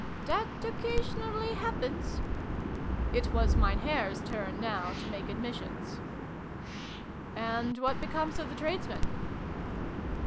" That occasionally happens." It was Mein Herr's turn, now, to make admissions. " And what becomes of the tradesmen